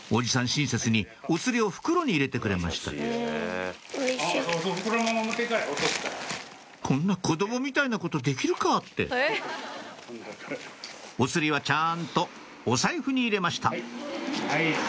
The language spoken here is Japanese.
親切にお釣りを袋に入れてくれました「こんな子供みたいなことできるか！」ってお釣りはちゃんとお財布に入れました